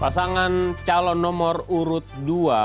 pasangan calon nomor urut dua di dki jakarta